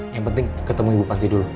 yang penting ketemu ibu panti dulu